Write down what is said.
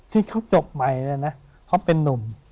ที่เขาจบใหม่เนี่ยนะเขาเป็นนุ่ม